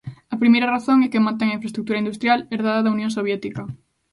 A primeira razón é que mantén a infraestrutura industrial herdada da Unión Soviética.